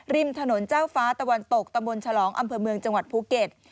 ริมถนนเจ้าฟ้าตะวันตกตำบลฉลองอำเภอเมืองจังหวัดภูเก็ต